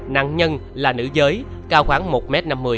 nạn nhân là nữ giới cao khoảng một m năm mươi